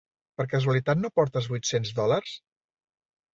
Per casualitat no portes vuit-cents dòlars?